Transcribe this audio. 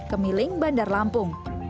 kemiling bandar lampung